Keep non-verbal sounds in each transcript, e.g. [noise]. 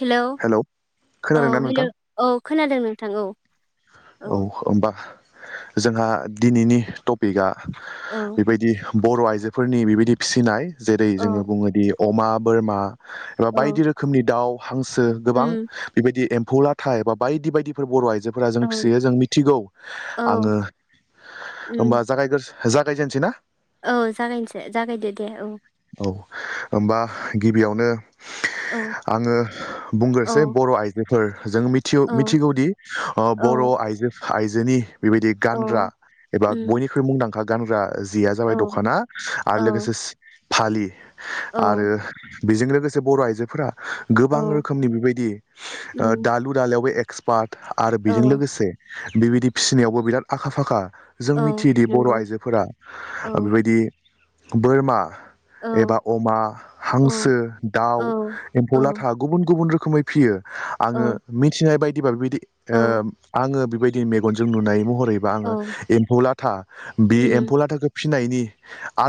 Hello औ खोनादोंना नोंथां हेलौ औ खोनादों नोंथां औ औ होमबा जोंहा दिनैनि टपिकआ औ बेबायदि बर' आइजोफोरनि बेबायदि फिसिनाय जेरै जोङो औ बुङोदि अमा बोरमा एबा औ बायदि रोखोमनि दाउ हांसो गोबां उम बेबायदि एम एमफु लाथा बायदि बायदिफोर बर' आइजो फोरा जों औ फिसियो जों मिथिगौ औ आङो होमबा उम जागायग जागायजेननोसै ना औ जागायनोसै जागायदो दे औ औ होमबा गिबियावनो औ आङो बुंग्रोनोसै औ बर' आइजोफोर जों मिथि औ मिथिगौदि अ बर' औ आइजो आइजोनि बेबायदि गानग्रा औ एबा उम बयनिख्रुइ मुंदांखा गानग्रा जिया जाबाय औ दखाना आरो औ लोगोसे फालि औ आरो बेजों लोगोसे बर' आइजोफोरा गोबां औ रोखोमनि बेबायदि ओ उम दालु दालायावबो एक्सपार्ट आरो बेजों औ लोगोसे बेबायदि फिसिनायावबो बिराद आखा फाखा जों औ मिथियोदि बर' नंगौ आइजोफोरा औ बेबायदि बोरमा एबा औ अमा औ हांसो औ दाउ एम्फौ लाथा गुबुन गुबुन रोखोम रोखोमै फियो औ आङो मिथिनाय बायदिबा ओ आङो बेबायदि मेगनजों नुनाय महरैबा आङो एम्फौ लाथा बे उम एम्फौ लाथाखौ फिसिनायनि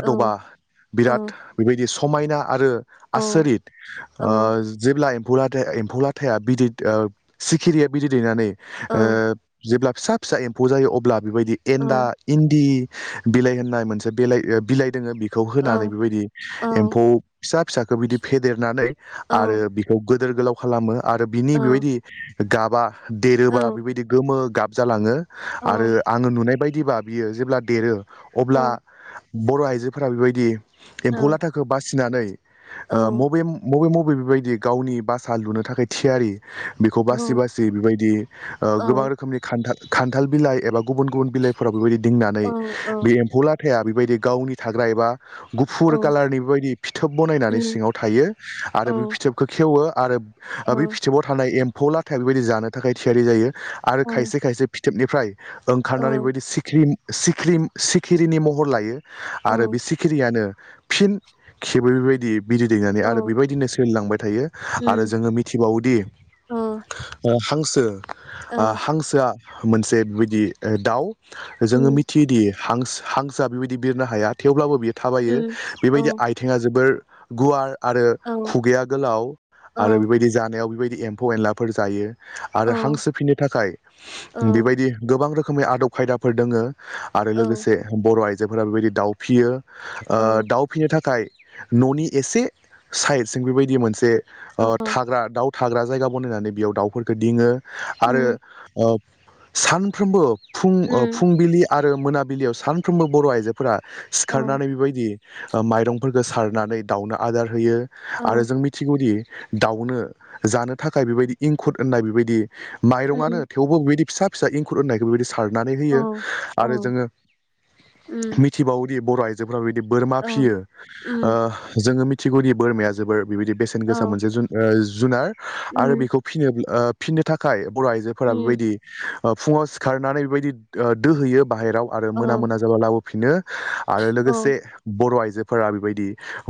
औ औ बिराद बेबायदि समायना आरो आसोरित औ जेब्ला एम्फौ लाथाया एम्फौ लाथया बिदै ओ सिखिरिया बिदै दैनानै औ ओ जेब्ला फिसा फिसा एम्फौ जायो अब्ला बेबायदि एन्न्दा इन्दि बिलाइ होननाय मोनसे बिलाइ बिलाइ दोङो बेखौ होनानै बेबायदि औ एम्फौ फिसा फिसाखौ बिदि फेदेरनानै आरो बिखौ गोदोर गोलाव खालामो आरो बिनि बेबायदि गाबा देरोबा बेबायदि गोमो गाब जालाङो औ आरो आङो नुनाय बायदि बिदिबा बियो जेब्ला देरो औ अब्ला बर' आइजोफोरा बेबायदि एम्फौ लाथाखौ बासिनानै ओ बबे बबे मबे बेबायदि गावनि भासा लुनो थाखाय थियारि बेखौ बासि बासि बेबायदि ओ गोबां रोखोमनि खान्थाल बिलाइ एबा गुबुन गुबुन बिलाइफोराव बेबायदि दिंनानै बे एम्फौ लाथाया बेबायदि गावनि थाग्रा एबा गुफुर कालारनि बेबायदि फिथोब बनायनानै सिङाव थायो आरो बे फिथोबखौ खेवो आरो बै फिथोबाव थानाय एम्फौ लाथाया बेबायदि जानो थाखाय थियारि जायो आरो खायसे खायसे फिथोबनिफ्राय ओंखारनानै बेबायदि सिख्रिम सिख्रिम सिखिरिनि महर लायो आरो बि सिखिरियानो फिन खेबो बेबायदि बिदै दैनानै आरो बेबायदिनो सोलिलांबाय थायो आरो जोङो मिथिबावोदि हांसो हांसोआ मोनसे बेदि ओ दाउ जोङो मिथियोदि हां हांसोआ बेबायदि बिरनो हाया थेवब्लाबो बियो थाबायो बेबायदि आयथिङा जोबोर गुवार आरो खुगाया गोलाव आरो बेबायदि जानायाव बेबायदि एम्फौ एनलाफोर जायो आरो हांसो फिननो थाखाय बेबायदि गोबां रोखोमै आदब खायदाफोर दोङो आरो लोगोसे बर' आइजोफोरा बेबायदि दाउ फियो ओ दाउ फिसिनो थाखाय न'नि एसे साइडजों बेबायदि मोनसे ओ थाग्रा दाउ थाग्रा जायगा बनायनानै बेयाव दाउफोरखौ दिङो आरो ओ सानफ्रोमबो फुं ओ फुंबिलि आरो मोनाबिलियाव सानफ्रोमबो बर' आइजोफोरा सिखारनानै बेबायदि ओ माइरंफोरखौ सारनानै दाउनो आदार होयो आरो जों मिथिगौदि दाउनो जानो थाखाय बेबायदि एंखुर होननाय बेबायदि माइरंआनो थेवबो बेबायदि फिसा- फिसा एंखुर होननायखौ बिदि सारनानै होयो आरो जोङो मिथिबावोदि बर' आइजो [unintelligible] बेबायदि बोरमा फियो ।ओ जोङो मिथिगौदि बोरमाया जोबोर बेबायदि बेसेन गोसा मोनसे जु -जुनार आरो बेखौ फिनो -फिनोथाखाय बर' आइजोफोरा बेबायदि ओ फुङाव सिखारनानै बेबायदि ओ दोहैयो। बाहेराव आरो मोना -मोना जाबा लाबोफिनो आरो लोगोसे बर' [unintelligible] [unintelligible] बेबायदि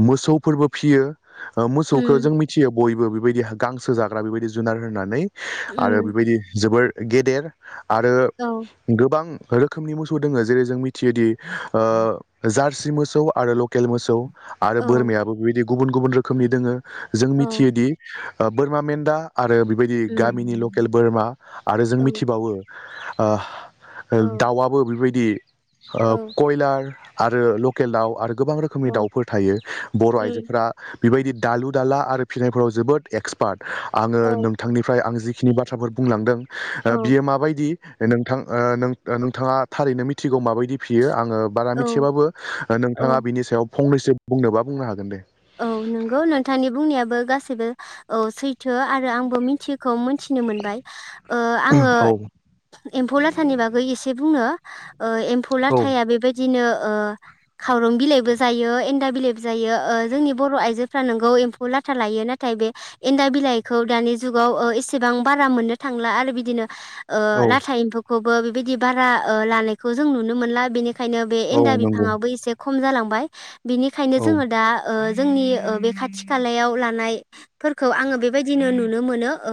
मोसौफोरबो फियो ।ओ मोसौखौ जों मिथियो। बयबो बेबायदि गांसो जाग्रा बेबायदि जुनार होनानै आरो बेबायदि जोबोर गेदेर आरो गोबां रोखोमनि मोसौ दोङ जेरै- जों मि [unintelligible] ओ जारसि मोसौ आरो लकेल मोसौ आरो बोरमायाबो बेबायदि गुबुन -गुबुन रोखोमनि दोङो जों मिथियोदि ओ बोरमाा मेन्दा आरो बेबायदि गामिनि ल'केल बोरमा आरो जों मिथिबावो ओ दाउआबो बेबायदि ओ क'यलार आरो लकेल दाउ आरो गोबां रोखोमनि दाउफोर थायो बर' उम आइजोफोरा बेबायदि दालु-दाला आरो फिसिनायफोराव जोबोद एक्सपार्ट आङो औ नोंथांनिफ्राय आं जि [unintelligible] बाथ्राफोर बुंलांदों औ बियो माबायदि? नोंथां, ओ नों- नोंथाङा थारैनो मिथिगौ मा बायदि फियो? आङो बारा औ मिथियाबाबो नोंथाङा बिनि सायाव फंनैसो बुंनोबा बुंनो हागोन दे। औ नंगौ नोंथांनि बुंनायाबो गासैबो औ सैथो आरो आंबो मिथियैखौ [unintelligible] [unintelligible] मोनबाय ओ आङो औ एम्फौ लाथानि बागै एसे बुंनो। ओ एम्फौ औ लाथाया बेबायदिनो ओ खावरं बिलाइबो जायो एन्दा बिलाइबो जायो ओ। जोंनि बर' आइजोफ्रा नोंगौ एम्फौ लाथा लायो नाथाय बे एन्दा बिलाइखौ दानि जुगाव ओ एसेबां आं बारा मोननो थांला आरो बिदिनो ओ औ लाथा एम्फौखौबो बेबायदि बारा ओ लानायखौ जों नुनो मोनला बेनिखायनो ओंखायनो बे औ एन्दा नंगौ बिफाङाबो एसे खम जालांबाय बिनिखायनो औ जोङो दा ओ जोंनि ओ बे खाथि खालायाव लानायफोरखौ आङो बेबायदिनो नुनो मोनो ओ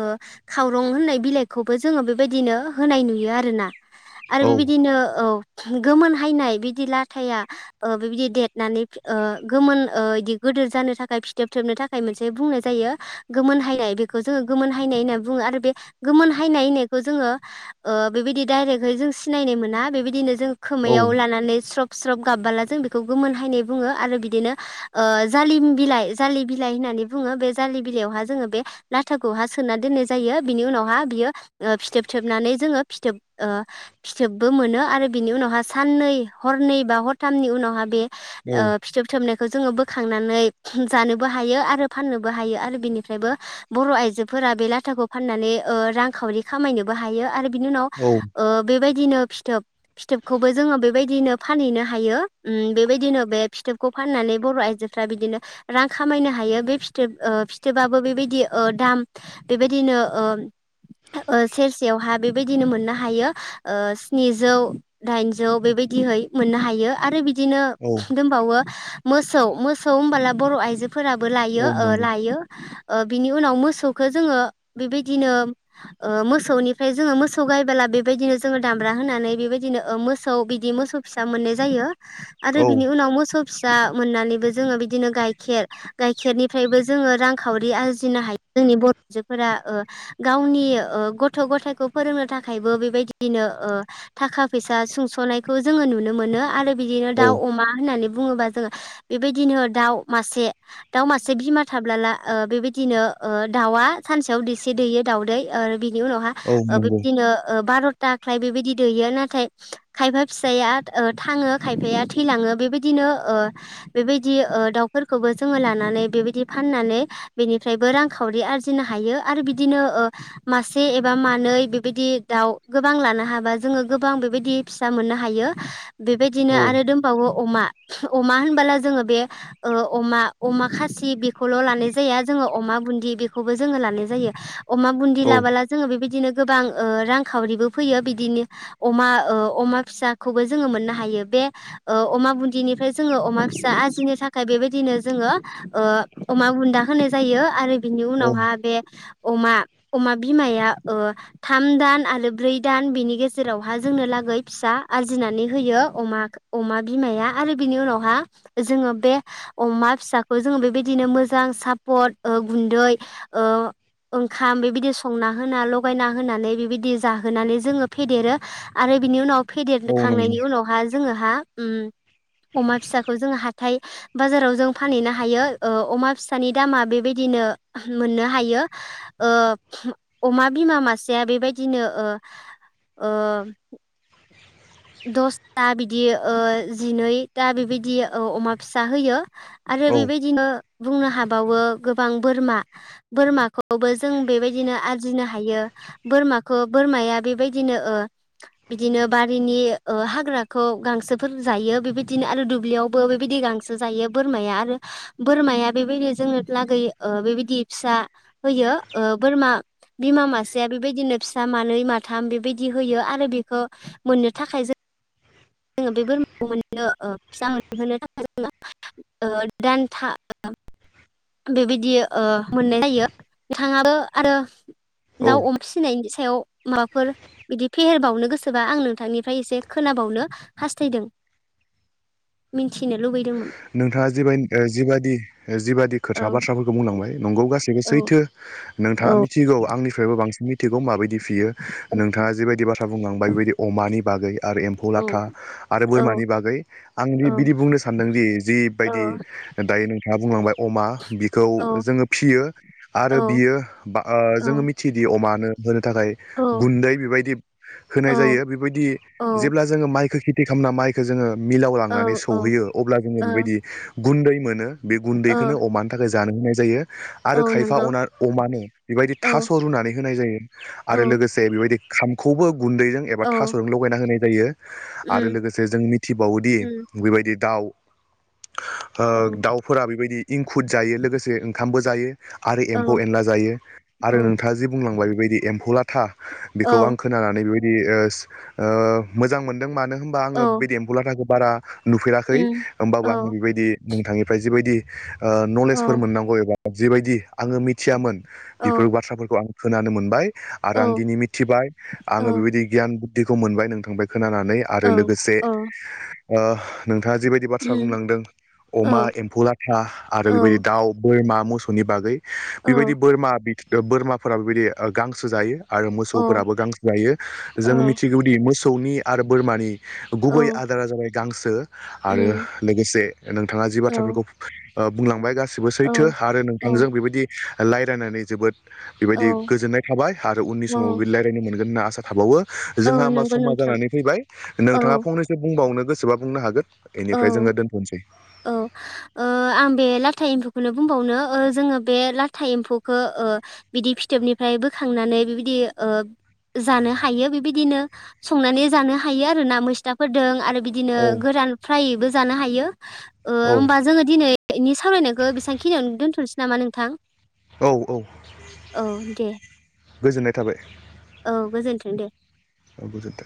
खावरं होननाय बिलाइखौबो जोङो बेबायदिनो होनाय नुयो आरोना। आरो औ बेबायदिनो औ गोमोनहायनाय बिदि लाथाया ओ बिबायदि देरनानै ओ गोमोन इदि गिदोर जानो थाखाय फिथोब थोबनो थाखाय मोनसे बुंनाय जायो गोमोनहायनाय बेखौ जोङो गोमोनहायनाय [unintelligible] बुङो आरो बे गोमोनहायनाय होन्नायखौ जोङो ओ बेबायदि डाइरेकहै जों सिनायनो मोना बेबायदिनो जों औ खोमायाव लानानै स्रब -स्रब गाबबोला जों बेखौ गोमोनहायनाय बुङो आरो बिदिनो ओ जालिम बिलाइ जालि बिलाइ होननानै बुङो। बे जालि बिलाइयावहा जोङो बे लाथाखौहा सोना दोन [unintelligible] जायो बिनि उनावहा बियो फिथोबथोबनानै जोङो फिथोब फिथोबबो मोनो आरो बिनि उनावहा साननै, हरनै बा हरथामनि उनावहा बे औ फिथोबथोबनायखौ जोङो बो खांनानै जानोबो हायो आरो फाननोबो हायो आरो बेनिफ्रायबो बर' आइजोफोरा बे लाथा लाथाखौ फानानै ओ रांखावरि खामाय नोबो हायो आरो बिनि उनाव औ ओ बेबाय बिदिनो फिथोब फिथोबखौबो जोङो बेबायदिनो फानहैनो हायो उम बेबायदिनो बे फिथोबखौ फाननानै बर' [unintelligible] [unintelligible] बिदिनो रां खामायनो हायो। बे फिथोब ओ फिथोब आबो बेबायदि ओ दाम बेबायदि बिदिनो ओ ओ सेरसेयावहा बेबायदिनो मोननो हायो ओ स्निजौ दाइनजौ बेबायदि । बिदिहै मोननो हायो आरो बि बिदिनो औ दंबावो मोसौ ।मोसौ होमबोला बर' आइजो [unintelligible] लायो औ ओ नंगौ लायो। ओ बिनि उनाव मोसौखौ जोङो बेबायदिनो ओ मोसौनिफ्राय जोङो मोसौ गायबोला बेबायदिनो जोङो दामब्रा होनानै बेबायदिनो मोसौ बिदि मोसौ फिसा मोननाय जायो आरो औ बिनि उनाव मोसौ फिसा मोननानैबो जोङो बिदिनो गाइखेर गाइखेरनिफ्रायबो जोङो रांखावरि आरजिनो हायो जोंनि बर' आजोफोरा ओ गावनि ओ गथ गथायखौ फोरोंनो थाखायबो बेबायदिनो थाखा फै जा सुंसनायखौ जोंड़ो नुनो मोनो आरो बिदिनो औ दाउ अमा होननानै बुङोबा जोड़ो बेदिनो दाउ मासे दाउ मासे बिमा थाबोला बेबायदिनो दाउआ औ नंगौ [unintelligible] दाख्लाय बेबायदि दैयो नाथाय खायफा फिसाया थाङो खायफाया थैलाङो बेबायदिनो नो ओ बेबायदि दाउफोरखौबो जोङो लानानै बेबायदि फाननानै बेनिफ्रायबो रांखावरि आरजिनो हायो हायो आरो बिदिनो मासे एबा मानै बेबायदि दाउ गोबां लानो हाबा जोङो गोबां बेबायदि फिसा मोननो हायो बेबायदिनो औ आरो दोनबावो अमा अमा होनबोला जोङो बे ओ अमा खासि बेखौल' लानाय जाया जोङो अमा बुन्दि बेखौबो जोङो अमा बुन्दि औ लाबोलाय जोङो बेबायदिनो गोबां रांखावरिबो फैयो बिदिनो अमा अमा फिसाखौबो जोङो मोननो हायो बे बे ओ अमा बुन्दि निफ्राय जोङो अमा दा आरजिनो थाखाय बेबायदिनो जोङो अमा बुन्दा होनाय जायो आरो बिनि औ उनावहा बे अमा अमा बिमाया ओ थाम दान आरो ब्रै दान बिनि गेजेरावहा जोंनो गै फिसा आरजिनानै होयो जोङो बे अमा फिसाखौ जोङो बेबायदिनो मोजां सापर्ट बा गुन्दै ओ ओंखाम बेबायदि संना होना लगायना होनानै बेबायदि जाहोनानै जोङो फेदेरो आरो बिनि उनाव औ नंगौ फेदेरखांनायनि उनावहा जोङो अमा फिसाखौ जों हा हाथाय बाजाराव जों फानहैनो हायो अमा फिसानि दामा बेबायदिनो मोननो हायो ओ अमा बिमा मासेया बेबायदिनो ओ ओ दसथा बिदि जिनैथा बिबायदि अमा फिसा होयो। आरो औ बेबायदिनो बुंनो हाबावो गोबां बोरमा बोरमाखौबो जों बेबायदिनो आरजिनो हायो। बोरमाखौ बोरमाया बेबायदिनो ओ बिदिनो बारिनि ओ हाग्राखौ गांसोफोर जायो बेबायदिनो आरो दुब्लियावबो बेबायदि गांसो जायो बोरमाया आरो बोरमाया बेबायदि जोङो लागै बेबायदि फिसा होयो ओ बोरमा बिमा मासेया बेबायदिनो फिसा मानै माथाम बेबायदि होयो आरो बेखो मोननो थाखाय जों [inaudible] [unintelligible] [unintelligible] औ दाउ अमा फिसिनायनि सायाव माबाफोर बिदि फेहेरबावनो गोसोबा आं नोंथांनि फाय एसे खोनाबावनो हास्दों मिथिनो लुबैदों नोंथाङा जिबाय जिबादि जिबादि खोथा औ बाथ्राफोरखौ बुंलांबाय नंगौ गासैबो औ सैथो नोंथाङा औ मिथिगौ आंनिफ्रायबो बांसिन मिथिगौ बेखौ माबायदि फियो नोंथाङा जि बायदि बाथ्रा बुंलांबाय बेबायदि अमानि बागै आरो एम्फौ औ लाथा आरो औ बोरमानि बागै आं औ बिदि बुंनो सानदोंदि। औ जिबायदि दायो नोंथाङा बुंलांबाय अमा बिखौ औ जोङो फियो आरो औ बियो बा जोङो मिथियोदि अमानो होनो थाखाय औ गुन्दै बेबायदि होनाय जायो बेबायदि जेब्ला जोङो माइखौ खेथि खालामना माइखौ जोङो मिलाव लांनानै औ सौहैयो अब्ला औ बेबायदि गुन्दै मोनो बे गुन्दैखौनो औ अमानि थाखाय जानो होनाय जायो। औ आरो खायफा नंगौ अ अमानो बेबायदि औ थास' रुनानै होनाय जायो आरो औ लोगोसे बेबायदि ओंखामखौबो गुन्दैजों एबा औ थास'जों लगायना होनाय जायो आरो उम लोगोसे जों मिथिबावोदि उम बेबायदि दाउ ओ औ दाउफोरा बेबायदि इंखुर जायो लोगोसे ओंखामबो जायो आरो एम्फौ औ एनला जायो आरो औ नोंथाङा जि बुंलांबाय बेबायदि एम्फौला था औ बेखौ आं खोनानानै बेबायदि ओ ओ मोजां मोनो दों मानो होनोमबा आङो बे द एम्फु लाथाखौ बारा नुफेराखै उम औ होमबाबो आङो बेबायदि नोंथांनिफ्राय जिबायदि नलेजफोर मोननांगौ एबा जिबायदि आङो मिथियामोन औ बेफोर बाथ्राफोरखौ आं खोनानो मोनबाय आरो आं औ दिनै मिथिबाय आङो बेबायदि गियान खौ मोनबाय नोंथां खोनानानै आरो लोगोसे औ उम औ ओ नोंथाङाे जेबो बिदि बाथ्रा उम बुंलांदों औ अमा एम्फौ लाथा आरो बेबायदि दाउ बोरमा मोसौनि बागै बेबायदि बोरमा बोरमाफोरा बेबायदि गांसो जायो आरो मोसौफोराबो गांसो जायो जों मिथिगौदि मोसौनि आरो बोरमानि गुबै आदारा जाबाय गांसो आरो लोगोसे नोंथाङा जि बाथ्राफोरखौ बुंलांबाय गासिबो सैथो आरो औ नोंथांजों बेबायदि रायजलायनानै जोबोद बेबायदि गोजोननाय थाबाय आरो उननि समाव औ बेदि रायज्लायनो मोनगोन होनना आसा थाबावो औ जोंहा होमबा नंगौ समा नोंथां जानानै फैबाय औ नोंथाङा फंनैसो बुंबावनो गोसोबा बुंनो हागोन औ बेनिफ्राय जोङो दोनथ'नोसै औ ओ आं बे लाथा एम्फौखौ बेखौनो बुंबावनो जोङो बे लाथा एम्फौखौ बिदि फिथोबनिफ्राय बोखांनानै बिबायदि बे ओ जानो हायो बेबायदिनो संनानै जानो हायो आरो ना मैस्थाफोरदों आरो बिदिनो औ गोरान फ्रायैबो जानो हायो औ होनबा जोङो दिनैनि सावरायनायखौ बेसेबांखिनियावनो दोनथ'नोसै नामा नोंथां औ औ औ दे गोजोननाय थाबाय औ गोजोन्थों दे आगु जथा